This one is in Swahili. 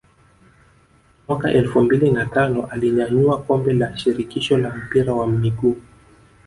Mwaka elfu mbili na tano alinyanyua kombe la shirikisho la mpira wa miguu